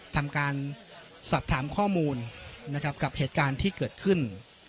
ทำการสอบถามข้อมูลนะครับกับเหตุการณ์ที่เกิดขึ้น